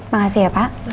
makasih ya pak